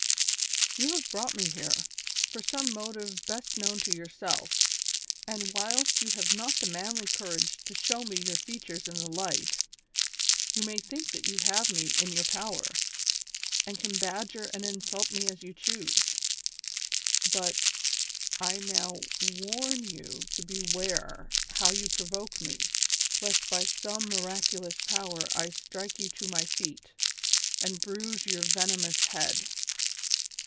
You have brought me here, from some motive best known to yourself, and whilst you have not the manly courage to show me your features in the light, you may think that you have me in your power, and can badger and insult me as you choose ; but, I now team you to beware how you provoke me, lest by some miraculous power I strike you to my feet, and bruise your venomous head